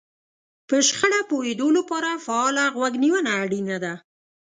په شخړه پوهېدو لپاره فعاله غوږ نيونه اړينه ده.